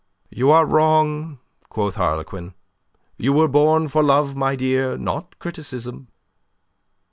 "You are wrong," quoth Harlequin. "You were born for love, my dear, not criticism."